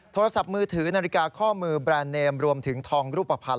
โทรศัพท์มือถือนาฬิกาข้อมือแบรนด์เนมรวมถึงทองรูปภัณฑ